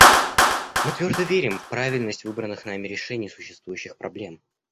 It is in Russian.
Мы твердо верим в правильность выбранных нами решений существующих проблем.